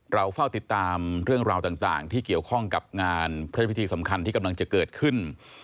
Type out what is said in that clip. เราเฝ้าติดตามเรื่องราวต่างที่เกี่ยวข้องกับงานพระพิธีสำคัญที่กำลังจะเกิดขึ้น